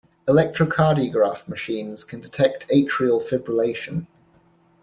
Electrocardiograph machines can detect atrial fibrillation.